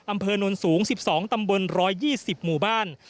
อำเภอนนสูง๑๒ตำบล๑๒๐หมู่บ้าน